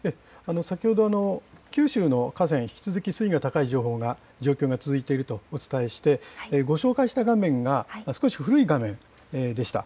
先ほど、九州の河川、引き続き水位が高い状況が続いているとお伝えして、ご紹介した画面が少し古い画面でした。